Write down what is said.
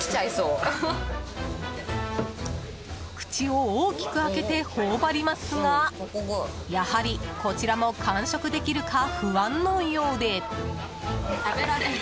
口を大きく開けて頬張りますがやはりこちらも完食できるか不安のようで。